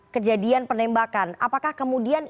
kejadian penembakan apakah kemudian